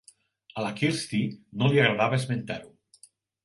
A la Kirsty no li agradava esmentar-ho.